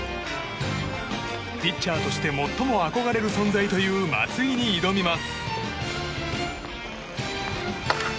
ピッチャーとして最も憧れる存在という松井に挑みます。